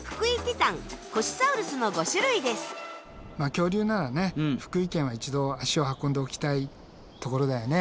恐竜ならね福井県は一度足を運んでおきたいところだよね。